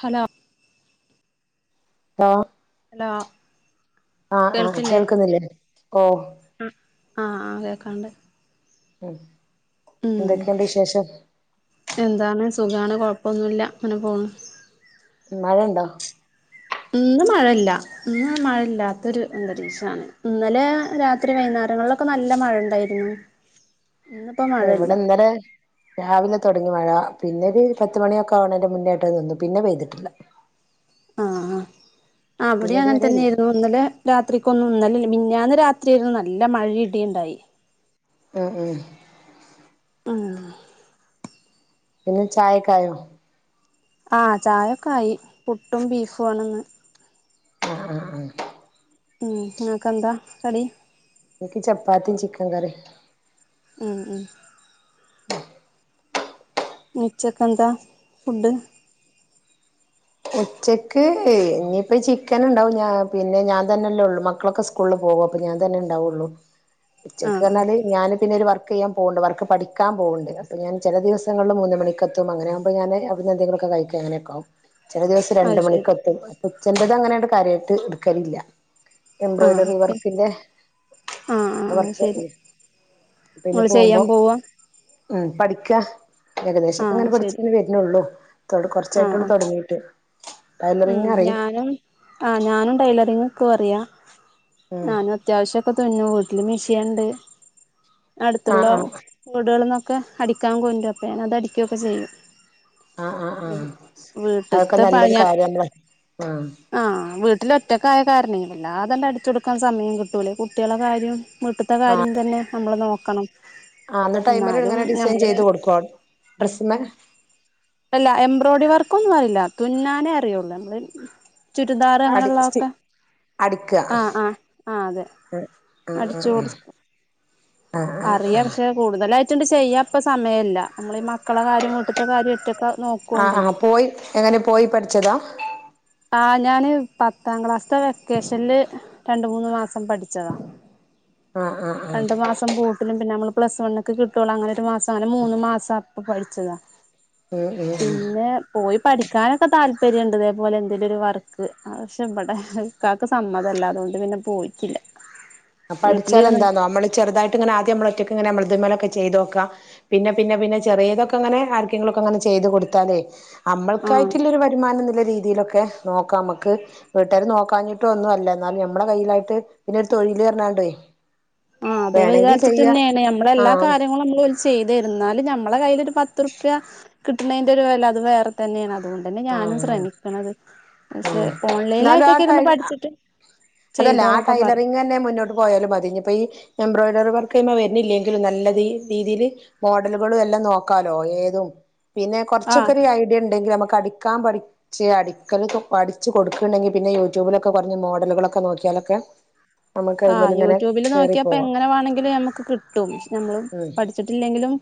Hello hello hello ആ ആ കേൾക്ക്ന്നില്ലേ ആ ആ കേക്കാണ്ട് ഉം ഉം എന്തൊക്കെണ്ട് വിശേഷം സുഖണ് കൊഴപ്പമൊന്നുല്ല അങ്ങനെ പോണ് മഴണ്ടോ ഇന്ന് മഴല്ല ഇന്ന് മഴയില്ലാത്തൊരു അന്തരീക്ഷണ് ഇന്നലെ രാത്രി വൈന്നരങ്ങളിലൊക്കെ നല്ല മഴ ണ്ടായിരുന്നു എവിടെ ഇന്നലെ രാവിലെ തൊടങ്ങി മഴ പിന്നെ ഒരു പത്ത് മണിയൊക്കെ ആവണന്റെ മുന്നോയിട്ട് നിന്നു പിന്നെ പെയ്തിട്ടില്ല ആ അവിടെ പിന്നെ അങ്ങനെ ഇതുവരെ ഇല്ല തന്നെയായിയിരുന്നു ഇന്നലെ രാത്രിക്ക് ഒന്ന് ഇന്നലെ മിനിഞാന്ന് രാത്രി [unintelligible] നല്ല മഴ ഇടി ണ്ടായി ഉ ഉ ആ പിന്നെ ചായകായോ ആ ചായൊക്കെ ആയി പുട്ടും ബീഫും ആണിന്ന് ആ ആ ആ ഉം ങ്ങക്കന്താ കടി എനിക്ക് ചപ്പാത്തിയും ചിക്കൻ കറി ഉ ഉ ഉച്ചയ്ക്കന്താ ഫുഡ് ഉച്ചക്ക് ഇനിയിപ്പ ചിക്കൻ ഉണ്ടാവും ഞാ പിന്നെ ഞാൻ തന്നെല്ലേ ഉള്ളു മക്കളൊക്കെ സ്കൂളിൽ പോക അപ്പൊ ഞാൻ തന്നെ ഉണ്ടാവുള്ളു ഉച്ചക്ക് ആഹ് ആഹ് റഞ്ഞാല് ഞാന് പിന്നെ ഒരു വർക് കെയാൻ പോണ്ട് വർക്ക് പഠിക്കാ പോണ്ട് അപ്പ ഞാൻ ചെല ദിവസങ്ങളിൽ മൂന്ന് മണിക്കത്തും അങ്ങനെകുമ്പോ ഞാന് അവിടുന്ന് എന്തെിലൊക്കെ കഴിക്ക അങ്ങനെയക്കൊവും ചെല ദേവസം രണ്ട് അത് ശരി മണിക്കെത്തും ചെലത് അങ്ങനെ കാര്യായിട്ട് ഇട്ക്കലില്ല ആഹ് എംബ്രോയ്ഡറി വർക്കിന്റെ ആഹ് ആഹ് ആഹ് വർക്ക് ശരി പിന്നെ ഇങ്ങള് ചെയ്യാൻ പോകുമ്പോം പോവാ ഉ പഠി ക്ക ഏകദേശൊക്കെ ആഹ് അങ്ങനെ പഠിച്ച ശരി വരുന്നുള്ളൂ ആഹ് കുറച്ചായിട്ടുള്ള ആഹ് തൊടങ്ങിട്ട് ഉം ഞാനും ആഹ് ഞാനും ടൈലറിങ് കൊറിയ ഉം ഞാനും അത്യാവശ്യക്കെ തുന്നു മിഷൻ ഇണ്ട് അടുത്തുള്ള ആഹ് ആഹ് വീടുകളന്നൊക്ക ഒക്കെ അടിക്കാൻ കൊണ്ടും അപ്പം ഞാൻ അത് അടിക്കൊക്കെ ചെയ്യും ആ ആഹ് ആഹഅതൊക്കെ വീട്ട്ത്തെ നല്ലൊരു പഴയ കാര്യാണ് [unintelligible] ആ ട്ടിലഒറ്റക്കായകാരണേ വല്ലാതെ അങ്ങട്ട് അടിച്ചു കൊടുക്കാൻ സമയം കിട്ടൂലേ കുട്ടികളെ കാര്യം വീട്ത്തെ കാര്യം തന്നെ നമ്മൾ നോക്കും കണം ആഹ് അന്ന് ടൈമില് ഇങ്ങനെ ഡിസൈൻ ചെയ്ത് കൊടുക്കോ? പ്രസ്മ്മേ അല്ല എംബ്രോയ്ഡറി വർക്കൊന്നും അറിയില്ല തുന്നാനേ അറിയുള്ളൂ നമ്മള് ചുരിദാർ അങ്ങനെ അടി സ്റ്റി ഒള്ളൊക്കെ അടിക്ക ആഹ ആ ആ അതെ ആഹ അടിച്ചു ആഹ ആ. കൊടുക്കും അറിയാം ക്ഷെ കൂടുതലായി ഇണ്ട് ചെയ്യാപ്പ സമയല്ല നമ്മള് ഈ മ ആഹ ആഹ പോയി എങ്ങനെ പോയി പഠിച്ചതാ. ആ ഞാൻ പത്താം ക്ലാസ്ത്തെ വെക്കേഷനിൽ രണ്ട് മൂന്ന് മാസം പഠിച്ചതാ ആഹ് ആഹ് ആഹ് പിന്നെനമ്മള്പ്ലസ് വൺക്ക്കിട്ടുള്ളൊ അങ്ങനെ ഒരു മാസം അങ്ങനെ മൂന്ന് മാസം അപ്പ പഠിച്ചതാ. ആഹ് ആഹ് ആഹ്. പിന്നെ പോയി പഠിക്കാനൊക്കെ താല്പര്യ ഇണ്ട് ഇതേപോലെ ഇതിലൊരു വർക്ക് പക്ഷെ ഇവിടെ ഇക്കാക്ക് സമ്മതല്ല അതുകൊണ്ട് പിന്നെ പോയിട്ടില്ല. അപ്പ വീട്ടിലിരുന്ന് അടിച്ചാലെന്താന്നോനമ്മള് ചെറുതായിട്ട ഇങ്ങനെആദ്യംനമ്മള്ദ് മല് ഒറ്റക്കങ്ങനെ ഞമ്മളത്‌മല്ങ്ങനെ ഒക്കെ ചെയ്തോക്കാംപിന്നെപിന്നെപിന്നെ ചെറീതൊക്കെ അങ്ങനെ ആർക്കെങ്കിലും ഒക്കെ അങ്ങനെ ചെയ്തു കൊടുത്താലേ ആഹ് അമ്മൾക്കായിട്ടുള്ളരു വരുമാനം എന്നുള്ള രീതിയിലൊക്കെ ഓക്കേ നോക്കാം നമുക്ക് വീട്ടുകാർ നോക്കാഞ്ഞിട്ടും ഒന്നും അല്ല എന്നാലും നമ്മെ കയ്യിലായിട്ടോരു ഒരു തൊഴിൽ [unintelligible] ആ അത് വേണെങ്കി വചാരത്തി ചെയ്യാ തന്നെയാണ് നമ്മൾ ആ എല്ലാ കാര്യങ്ങളും നമ്മള് ചെയ്തരുന്നാല ഞമ്മളെ കയ്യിൽ ഒരു പത്തു റുപ്യ കിട്ടുന്നതിന്റെ ഒരു വില അത് വേറെ തന്നെയാണ്ണത്. ആ ആ പക്ഷെ എന്നാലും ആ ഓൺലൈനായിട്ടൊക്കെ ഇരുന്ന് പഠിച്ചിട്ട് അതല്ല ആ ചെയ്തോന്നൊക്കെ പറയും ടൈലറിങ് തന്നെ മുന്നോട്ട് പോയാലും പതിഞ്ഞ ഇപ്പൊ ഈ എംബ്രോയ്ഡറി വർക്ക് വരുന്നില്ലെങ്കിലും നല്ലീ രീതിയിൽ മോഡലുകളും എല്ലാം നോക്കാലോ ഏതും പിന്നെ ആഹ് കുറച്ചൊക്കെ ഒരു ഐഡിയ ഉണ്ടെങ്കിൽ നമക്ക് കടി ക്കാൻ പഠിച്ച് അടിക്കല് പഠിച്ച്ച് കൊടുക്കണ്ടെങ്കി പിന്നെ യൂട്യൂബിലൊക്കെ കുഞ്ഞ മോഡലുകളൊക്കെ നോക്കിയാലൊക്കെ നമുക്ക് ആഹ് അയിമേൽ ഇങ്ങനെ യൂട്യൂബില് കേറി നോക്കിയപ്പോ പോവാം എങ്ങനെ വേണമെങ്കിലിൽ ഞമ്മക്ക് കിട്ടും നമ്മള് ഉം പഠിച്ചിട്ടില്ലെങ്കിലും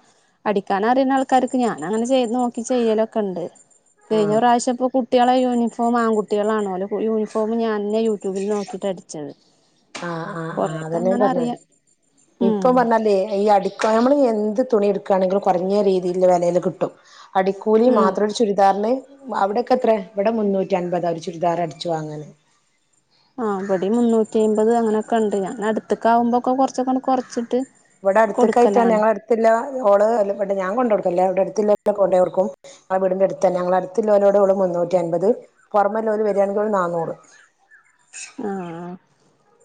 അടിക്കാനറിയുന്ന ആൾക്കാർക്ക് ഞാനൻങ്ങനെ ചെയ് നോക്കി ചെയ്യലൊക്കെ ഉണ്ട്. കഴിഞ്ഞ ആഹ് പ്രാവശ്യ ഇപ്പൊ കുട്ടികളെ യൂനി ഫോം ആൺകുട്ടികളാണോലെ യൂണി ഫോം ഞാൻെ യൂട്യൂബിൽ നോക്കിയിട്ട് അടിച്ചത്. ആഹ് ആഹ് ആഹ് കൊറെയൊക്കെ അതന്നെയാ അങ്ങനെ പറഞ്ഞത് അറിയാം ഉം ഇപ്പൊ പറഞ്ഞല്ലേ ഈ അടിക്കോ നമ്മള് എന്ത് തുണി എടുക്കുകയാണെങ്കിൽ കുറഞ്ഞ രീതിൽ വെലയില് കിട്ടും. അടിക്കൂലി ഉം മാത്രം ചുരിദാറിന് അവിടക്കെ എത്ര ഇവിടെ മുന്നൂറ്റി അൻമ്പതാ ഒരു ചുരിദാർ അടിച്ചു വാങ്ങനെ ആ പൊടി മുന്നൂറ്റി അമ്പത് അങ്ങനെയൊക്കെ ഉണ്ട് ഞാൻ അടുത്ത്ക്കാവുമ്പോക്കെ കുറച്ചൊക്കെ കൊറച്ചിട്ട് ഇവിടെ അടുത്ത കായിയിട്ടാ കൊടുക്കലാണ് ഞങ്ങള അടുത്തില്ല ഓള് അല്ല ഞാൻ കൊണ്ട് കൊടുക്കല്ലേ അവിടെ അടുത്ത് വർക്കും അവിടെ അടുത്തന്നെ ഞങ്ങൾ അടുത്ത ലോലോടെ ഉള്ളൂ മുന്നൂറ്റി അൻപത് പുറമെ ലോല വരികയാണെങ്കി നാനൂറു ആഹ്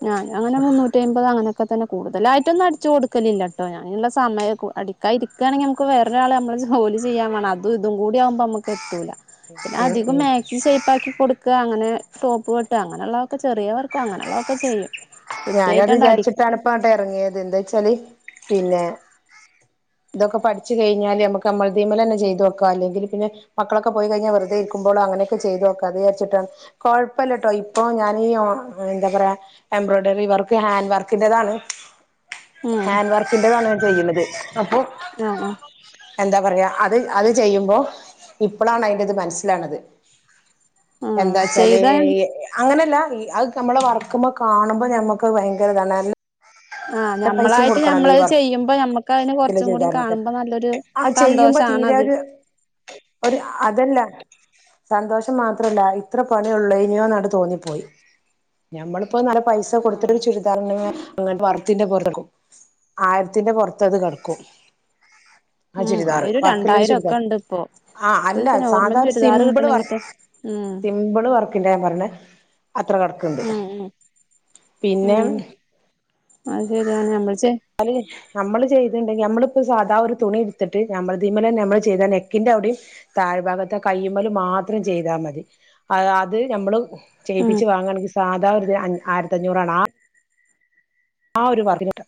ആ ആഹ് അങ്ങനെ മുന്നൂറ്റി അമ്പത് അങ്ങനെ ഇപ്പോ തന്നെ കൂടുതലായിട്ടൊന്നും അടിച്ച് കൊടുക്കില്ല കേട്ടോ ഞാനുള്ള സമയം അടിക്കായിരിക്കുകയാണെങ്കിൽ നമുക്ക് വേറൊരാൾ നമ്മൾ ജോലി ചെയ്യൻ വേണം അതും ഇതും കൂടിയാകുമ്പോൾ നമുക്ക് എത്തൂല്ല പിന്നെ ഉം അധികം ഉം മാക്സി ഷേപ്പാക്കി കൊടുക്കുക അങ്ങനെ ടോപ്പ് വെട്ടുക അങ്ങനെയുള്ള ചെറിയവർക്ക് അങ്ങനെയുള്ളതൊക്കെ ചെയ്യും. ഞാനത് കൃത്യായിട്ടാണ്ട് വിചാരിച്ചിട്ടാണ് അടിക്കും ഇപ്പംട്ട് ഇറങ്ങിയത് എന്താ വച്ചാല് പിന്നെ ഇതൊക്കെ പഠിച്ചു കഴിഞ്ഞാല് നമ്മുക്ക് അമ്മൾതമ്മില് തന്നെ ചെയ്തു വോക്കാം അല്ലെങ്കിൽ പിന്നെ മക്കളൊക്കെ പോയി കഴിഞ്ഞാൽ വെറുതെ ഇരിക്കുമ്പോഴോ അങ്ങനെയൊക്കെ ചെയ്തു വോക്കാ അ വിചാരിച്ചിട്ടാണ് കൊഴപ്പമ കേട്ടോ ഇപ്പൊ ഞാനീ എന്താ പറയാ എംബ്രോയ്ഡിറി റി വർക്ക് ഹാൻഡ് വർക്കിന്റെതാണ് ഉം ഹാൻഡ് വർക്കിന്റെതാണ് ഞാൻ ചെയ്യുന്നത് അപ്പൊ ആഹ് എന്താ പറയാ അത് അത് ചെയ്യുമ്പോ ഇപ്പളാണ് അയിന്റത് മനസിലാക്ണത്. ആഹ് എന്താ വച്ചാല് ചെയ്ത അങ്ങനല്ല അത് ക്കെ നമ്മളെ വർക്ക് മ കാണുമ് മ്പം ഞമ്മക്കത് ഭയങ്കര ഇതാണ്. അൽ ആഹ് ഞമ്മളായിട്ട് ഞമ്മളത് ചെയ്യുമ്പം ഞമ്മക്കതിനെ വർക്കില് കൊറച്ചും കൂടി ചെയ്താലൊക്കെ കാണുമ്പോ നല്ലൊരു ആ ചെയ്യുമ്പോ തീരെ സന്തോഷാണത്. ഒരു ഒരു അതല്ല സന്തോഷം മാത്രല്ല ഇത്ര പണിയേ ഒള്ളേന്യോ ന്നാണ്ട് തോന്നിപ്പോയി. ഞമ്മൾ ഇപ്പൊ നല്ല പൈസ കൊടുത്തിട്ട് ആഹ് ഒരു ചുരിദാറിന്മേ ങ്ങൻത്ത വർ ക്കിന്റെ [unintelligible] ആയിരത്തിന്റെ പുറത്തത് കടക്കും. ആ ഉം ചുരിദാർ ആയിരം വർക്ക് ഇല്ലൊരു രണ്ടായിരം ഒക്കെ ചുരിദാർ. ഉണ്ട് ഇപ്പൊ ആഹ് അല്ല ഒരു നോർമൽ സാധാ ഒര് ചുരിദാർ സിമ്പിൾ കിട്ടണെങ്കി വർക്ക് ഇപ്പൊ ഉം സിമ്പിൾ വർക്കിന്റാ ഞാൻ പറിണെ അത്ര കടക്ക്ണ്ട്. ഉം ഉം പിന്നെ ഉം അത് ശരിയാണ് ഞമ്മൾ [unintelligible] നമ്മള് ചെയ്തിണ്ടെങ്കി നമ്മളിപ്പോ സാധാ ഒരു തുണി ഇട്ത്ത്ട്ട് ഞമ്മൾദീമലന്നെ നമ്മള് ചെയ്താ നെക്കിന്റെ അവിടിം താഴ് ഭാഗത്തെ കയ്യ്മലും മാത്രം ചെയ്താ മതി അത് ഞമ്മളും ഉം ചെയ്യിപ്പിച്ച് വാങ്ങാണെങ്കി സാധാ ഒര് ത് അഞ് ആയിരത്തഞ്ഞൂറാണ് ആ ആ ഒരു വർക്കിനൂട്ട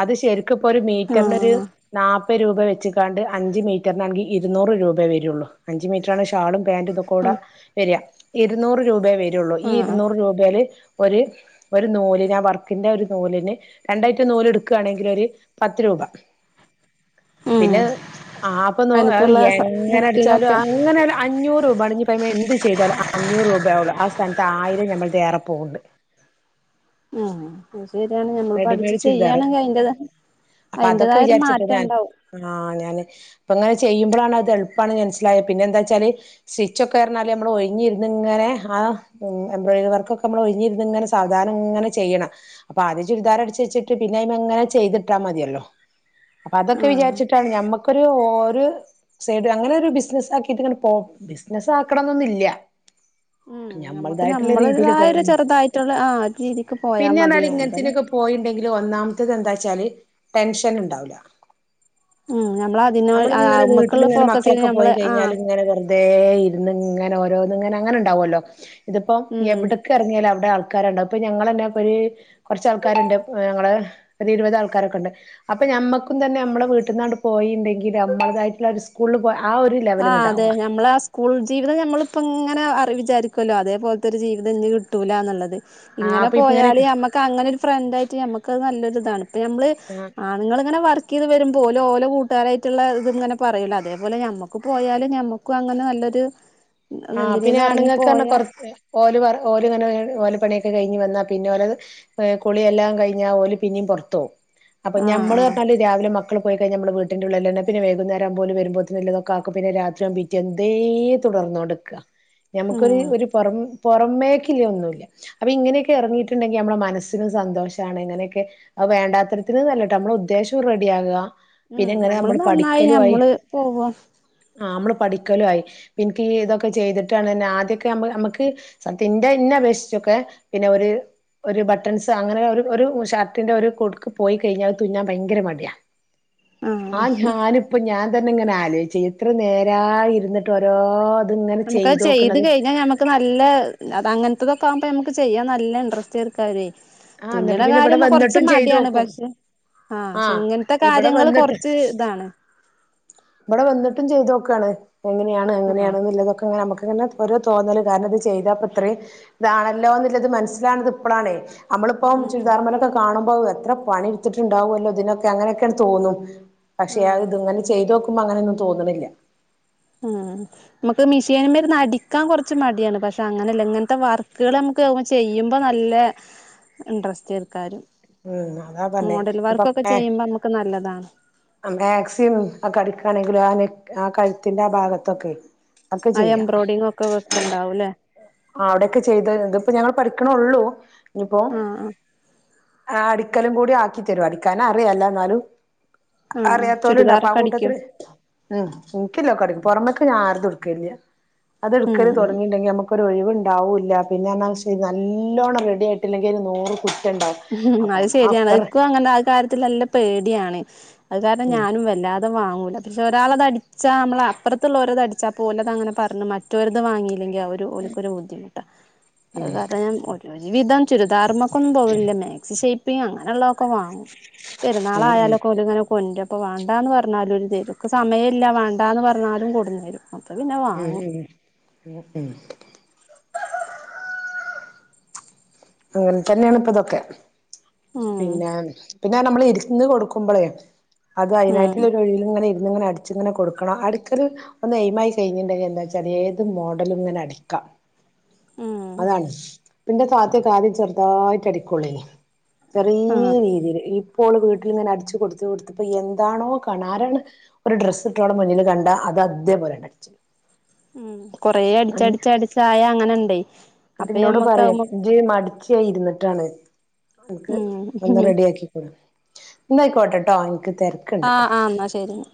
അത് ശരി ക്ക്പ്പൊര് മീറ്ററിന് ഒര് ആഹ് നാപ്പത് രൂപ വെച്ച് ത്താണ്ട് അഞ്ച് മീറ്ററിനാങ്കിൽ ഇരുന്നൂറ് രൂപ വരെള്ളൂ അഞ്ച് മീറ്ററാണ് ഷാളും പാന്റ് ഇതൊക്കൂടെ ഉം വെര [unintelligible] ഇരുന്നൂറ് രൂപെ വരൊള്ളൂ ഈ ആഹ് ആഹ് ഇരുന്നൂറ് രൂപേല് ഒര് ഒരു നൂലിന് ആ വർക്കിന്റെ ഒരു നൂലിന് ആ വർക്കിന്റെ ഒരു നൂലിന് രണ്ടയ്റ്റം നൂല് ഇടു ക്കാണെങ്കിൽ ഒരു പത്ത് രൂപ ഉം പിന്നെ ആഹ് അപ്പൊ നൊ അനക്കുള്ള എങ്ങനെ അടിച്ചാലും മുത്തിനൊക്കെ അങ്ങനെ അഞ്ഞൂറ് രൂപ അണ [unintelligible] ഇപ്പ എന്ത് ചെയ്താലും അഞ്ഞൂറ് രൂപയാള്ളു ആ സ്ഥാനത്ത് ആയിരം ഞമ്മൾ തേറെ പോവ്ണ്ട് [unintelligible] യാണ് ഞമ്മൾ പഠിച്ചു റെഡിമെയ്ഡ് ചുരിദാറ് ചെയ്യാണെങ്കി അപ്പൊ അതൊക്കെ അയ്ന്റെതായ ഒരു വിചാരിച്ചിട്ട് മാറ്റം ഞാൻ ഇണ്ടാവും ആഹ് ഞാന് അപ്പൊ ഇങ്ങനെ ചെയ്യുമ്പളാണ് അത് എള്പ്പാണ് മനസ്സിലായ പിന്നെ എന്താച്ചാല് സ്റ്റിച്ചൊ ക്കെ എറ്ന്നാല് നമ്മൾ ഒഴിഞ്ഞി ഇര്ന്ന്ങ്ങനെ ആ എംബ്രോയിഡറി വർക്കൊക്കെ നമ്മൾ ഒഴിഞ്ഞിര്ന്ന ഇങ്ങനെ സാവധാനം ഇങ്ങനെ ചെയ്യണം അപ്പ ആലോ ചുരിദാർ അടിച്ച് വെച്ചിട്ട് പിന്നെ അയ്മെങ്ങനെ ചെയ്തിട്ടാ മതിയല്ലോ അപ്പൊ അതൊക്കെ ആഹ് വിചാരിച്ചിട്ടാണ് ഞമ്മക്കൊരു ഒരു സൈഡ് അങ്ങനെ ഒരു ബിസ്നസ് ആക്കിട്ട് ഇങ്ങനെ പോ ബിസിനസ് ആക്കണം എന്നൊന്നു ഇല്ല നമ്മക്ക് നമ്മളെതായ ഒരു ചെറുതായിട്ട്ള്ള ആ ഒരു രീതിക്ക് പോയാ മതിയ ഉള്ള [unintelligible] ഇനൊക്കെ പോയിട്ടണ്ടെങ്കിൽ ഒന്നാമത്തേത് എന്താച്ചാല് ടെന്ഷനു ണ്ടാവുല്ല ഉം നമ്മൾ [unintelligible] അഹ് മ്മെക്ക്ള്ള ഫോക്കസ് ചെയ്ത് നമ്മള് ആഹ് തേ ഇരുന്ന് ഇങ്ങനെ ഓരോന്ന് ഇങ്ങനെ അങ്ങനെ ഇണ്ടാവോല്ലോ ഇത്പ്പം ഉം എവിടെക്ക് എറങ്ങിയാലും അവിടെ ആൾക് ആക്കാരണ്ട അപ്പൊ ഞങ്ങളന്നപ്പൊരി കുറച്ചആൾക്കാരുണ്ട് ഏ ഞങ്ങൾ ഒരു ഇരുപത് ആൾക്കാരൊക്കെ ഉണ്ട് അപ്പൊ ഞമ്മക്കും തന്നെ നമ്മളെ വീട്ടിൽന്നാട് പോയിണ്ടെങ്കിൽ നമ്മളതായിട്ടുള്ള ഒരു സ്കൂള്ള് പോ ആ ഒരു ലെവൽ ആ അതെ ഇങ്ങോട്ടാവുക ഞമ്മളെ സ്കൂൾ ജീവിതം ഞമ്മളിപ്പ ഇങ്ങനെ അറി വിചാരിക്കുല്ലോ അതേപോലത്തെ ഒരു ജീവിതംഇനി കിട്ടൂലന്നുള്ളത് ആ ഇങ്ങനെ അപ്പൊ പോയാല് ഞമ്മക്ക് അങ്ങനെ ഒരു ഫ്രണ്ടയിട്ട് ഞമ്മക്കത് നല്ലൊരു ഇതാണ് ഇപ്പ നമ്മള് ആ ആണുൾളിങ്ങനെ വർക്ക് ചെയ്ത് വരുമ്പ പോല ഓലോ കൂട്ടുകാരായിട്ടുള്ള ഇതും ഇങ്ങനെ പറൂല് അതേപലെ ഞമ്മ ക്ക് പോയാലു ഞമ്മക്കും അങ്ങനെ നല്ലൊരു ആ പിന്നെ എന്തിനേലും എറങ്ങി ആണുങ്ങൾക്കന്നെ പോയാ കൊറ എ ഓല് വേറെ ഓലിങ്ങനെ വെ ഓലെപണി കഴിഞ്ഞ് വന്നാൽ പിന്നെ ഓലത് എ കുളി എല്ലാം കഴിഞ്ഞാൽ ഓല് പിന്നേം പൊറ്തോം അപ്പൊ ആഹ് ഞമ്മള് ആഹ് അപ്പോലെ രാവിലെ മക്കൾ പോയി കഴിഞ്ഞ ഞമ്മൾ വീട്ടിൻ്റെ ഉള്ളിലെനെ പിന്നെ വൈകുന്നേരം അപോല് വരുമ്പോത്തിന് ഉള്ളത് ഒക്കെ ആക്കും പിന്നെ രാത്രിയാകും പിറ്റെ ഇന്തേ തുടർന്നുകൊണ്ട് ക ഞമുക്കൊരു ഉം ഒരു പുറം പുറമേക്കിനി ഒന്നുല്ല അപ്പൊ ഇങ്ങനെക്കെ എറങ്ങിട്ടുണ്ടെങ്കി നമ്മടെ മനസ്സിനും സന്തോഷണ് ഇങ്ങനെക്കെ വേണ്ട തരത്തിന് ഒന്ന് അല്ലാട്ടോ നമ്മള് ഉദ്ദേശം റെഡിഅകുക ഉം നമ്മള് നന്നായി ഞമ്മള് പോവോ ആ നമ്മള് പഠിക്കലു ആയി എനിക്കി ഇതൊ ക്കെ ചെയ്തിട്ടാണ്ന്നെ ആദ്യൊക്കെ നമ്മൾ നമ്മക്ക് സത്യം ഇന്റെ ഇന്നെ അപേക്ഷിച്ചൊക്കെ പിന്നെ ഒരു ഒരു ബട്ടൺസ് അങ്ങനെ ഒരു ഒരു ഷർട്ടിന്റെ ഒരു കൊടുക്ക് പോയി കഴിഞ്ഞാ തുനാൻഭയങ്കര മടിയാ ആ ആഹ് ഞാനിപ്പം ഞാൻ അന്നെ ഇങ്ങനെ ആലോചിച്ചു ഇത്ര നേരായി ഇരുന്നിട്ട് ഓരോ ഇതിങ്ങനെ നമുക്ക്ത് ചെയ്ത് ചെയ്തോക്കണത് കഴിഞ്ഞാൽ നമക്ക് നല്ല അതങ്ങനെ തത്തൊക്കെ ആവുമ്പോ നമക്ക് ചെയ്യാം നല്ല ഇൻടറസ്റ്റ് എർക്കാരെ ആ ന്നിട്ട് പിന്നെ ബടെ വന്ന്ട്ടും ചെയ്താേക്കും പക്ഷെ ആഹ് ആ പക്ഷെ ഇങ്ങനത്തെ ഇബ്ടെ കാര്യങ്ങള് വന്ന്ട്ട് കൊറച്ച് ഇതാണ് ഇബടെ വന്ന്ട്ടും ചെയ്തോ ക്കാണ് എങ്ങനെയാണ് ആഹ് അങ്ങനെയാണ് ന്ന്ള്ളലതൊക്കെങ്ങനെ അമ്മക്ക്ങ്ങനെ ഒര് തോന്നല്ണ്ട് കാരണം ഇത് ച് ചെയ്താപ്പത്രേം താണല്ലോന്ന്ല്ലത് മനസ്സ്ലാണത് പ്പളാണേ അമ്മള്പ്പം ഉം എത്ര പണി ഇട്ത്തിട്ടുണ്ടാവും ഇതിനൊക്കെ അങ്ങനെക്കെണ് തോന്നും പക്ഷെ അ ആഹ് ഇത് [unintelligible] ചെയ്തോട് [unintelligible] അങ്ങനെന്നും തോന്ന്ണില്ല ഉം [unintelligible] അടിക്കാൻ കോർച്ച് മടിയാണ് പക്ഷെ അങ്ങനെല്ല ഇങ്ങൻത്തെ വർക്ക്കള് നമക്ക് ചെയ്യുമ്പ നല്ല ഇൻട്രസ്റ്റ് അയ്ക്കാരിം ഉം അതാ പറഞ്ഞെ ഇപ്പന്നെ ചെയ്യുമ്പോ നമുക്ക് നല്ലതാണ് മേക്സിം ഒക്കെ അടിക്കാണെങ്കിലും ആ ആ കഴുത്തിന്റെ ആ ഭാഗത്തൊക്കെ ഒക്കെ ആ ചെയ്യാം എംബ്രോഡിങ് ഒക്കെ വെക്ക്ണ്ടാവൂല്ലേ ആ അവ്ടെക്കെ ചെയ്ത ഇത് ഇപ്പൊ ഞങ്ങള് പഠിക്ക്ണോള്ളൂ ഞ് പ്പോ ആഹ് ആഹ് ആ അടിക്കലും കൂടി ആക്കി തരും അടിക്കാന് അറിയ എന്നാലും ആഹ് അറിയാത്തോലും ഇണ്ട് അപ്പൊ ആ ചുരിദാറൊക്കെ അടിക്കും കൂട്ടത്തില് ഉം ഇൻക്കില്ല [unintelligible] ഞാൻ ആരതും ഇട്കലില്ല അത് ഇട്ക്കല് ഉം തോടങ്ങിണ്ടെങ്കി നമക്കൊരു ഒഴിവും ണ്ടാവൂല്ല പിന്നൊ ന്നാല് ശരി നല്ലോണം റെഡി ആയിട്ടില്ലെങ്കി ഒരു നൂറ് കു റ്റണ്ടാവും അഹ് ശരിയാണ് ക്കു അങ്ങനെ ആ കാര്യത്തില് നല്ല പേടിയാണ് അഅ് കാരണം ഉം ഞാനും വല്ലാതെ വാങ്ങും. പശേ ഒരാളത് അടിച്ചാ നമ്മള അപ്പറത്തുള്ളോര്ത് അടിച്ചാ പോലത് അങ്ങനെ പറഞ്ഞു മറ്റൊര് ത് വാങ്ങി. ഇല്ലെങ്കി ഒരു ഓൽക്ക് ഒരു ബുദ്ധിമുട്ടാ. അഅ് ഉം കാരണം ഞാൻ ഒരു വിധം ചുരിദാർമക്കൊന്നും പോവലില്ല. ഷൈപ്പെയ്യും അങ്ങനെള്ള ക്കെ വാങ്ങും ഉം പെരുന്നാളായലൊക്കെങ്ങനെ ഓ ന്റ പ്പോ വാണ്ടാന്ന് പർഞ്ഞാലും ഓര് തരും. ക്ക് സമയല്ല വാണ്ടാന്ന് പർഞ്ഞാലും കൊട്ന്നരും. ഉം ഉ ഉ ഉ അങ്ങനെ തന്നെയാണ് പ്പതൊക്കെ. ഉം പിന്നാ പിന്നെ നമ്മള് ഇന്ന് കൊടുക്കുമ്പ്ളേ അത് ഉം അയിനായിട്ടുള്ളൊരു ഒഴിവ് ല് ഇങ്ങനെ ഇരി ങ്ങെനെ അടിച്ചിങ്ങനെ കൊട് ക്കണം. അടിക്കല് ഒന്ന് എയിമായി കഴിഞ്ഞിണ്ടെങ്കില് എന്താ ച്ചാല് ഏത് മോഡലും ഇങ്ങനെ അടിക്കാ. ഉം അതാണ്. എന്റെ താത്ത ആദ്യം ചെറുതായിട്ട് അടിക്കൊള്ളേ ചെറിയ ആഹ് രീതിയിൽ ഈ ഇപ്പോള് വീട്ടിൽങ്ങനെ അടിച്ചു കൊടുത്ത കൊടുത്തിപ്പോ എന്താണോ കാണുന്നേ ഒരു ഡ്രസ്സ് ഇട്ട് ഓളെ മുന്നിൽ കണ്ട അത് അതേപോലെ അടിച്ച- ഉം കൊറെ അടിച്ചടിച്ച അടിച്ച ആയ അങ്ങനെണ്ട് അപ്പ നമ്മക്ക് മടിച്ച ഇരുന്നിട്ടാണ് അൻക്ക് ഒന്ന് റെഡി ആക്കിക്കൂടെ എന്നയിക്കോട്ടെ ട്ടോ ഇൻക് ആഹ ആ് എന്നാ ശരിെന്നാ